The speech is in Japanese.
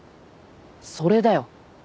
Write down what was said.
それだよ。